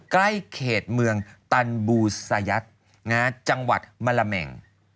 ใกล้เขตเมืองตันบูซายัดจังหวัดมะละแม่ง